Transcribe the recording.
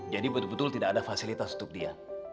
jadi betul betul tidak ada fasilitas untuk dia